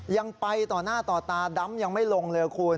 ยังไปต่อหน้าต่อตาดำยังไม่ลงเลยคุณ